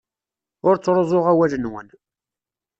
Ur ttruẓuɣ awal-nwen.